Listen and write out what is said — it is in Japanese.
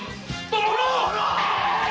殿！